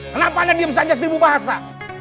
kenapa anda diem saja seribu bahasa